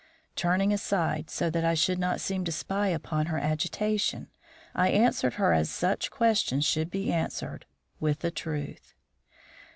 Turning aside, so that I should not seem to spy upon her agitation, I answered her as such questions should be answered, with the truth.